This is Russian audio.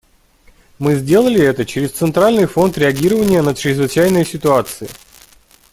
Мы сделали это через Центральный фонд реагирования на чрезвычайные ситуации.